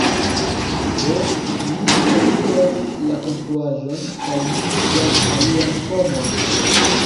Do mi eniras la konstruaĵon kaj mi vidas alian homon.